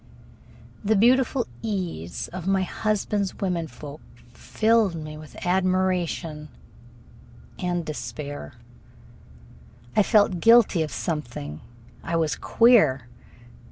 The beautiful ease of my husband's women folk filled me with admiration and despair. I felt guilty of something. I was queer.